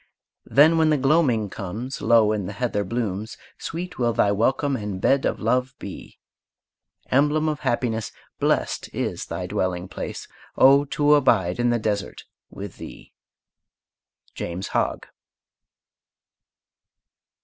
Then, when the gloaming comes, Low in the heather blooms, Sweet will thy welcome and bed of love be! Emblem of happiness, Blest is thy dwelling place. Oh, to abide in the desert with thee! JAMES HOGG.